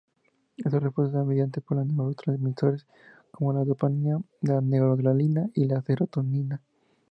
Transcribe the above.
Esta respuesta está mediada por neurotransmisores como la dopamina, la noradrenalina y la serotonina.